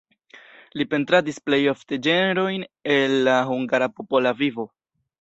Li pentradis plej ofte ĝenrojn el la hungara popola vivo.